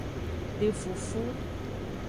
De fufu.